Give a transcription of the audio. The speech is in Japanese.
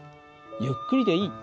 ゆっくりでいい。